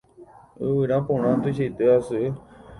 Yvyra porã tuichaite asy